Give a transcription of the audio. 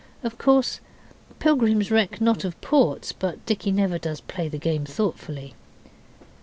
Of course, pilgrims reck not of ports, but Dicky never does play the game thoughtfully.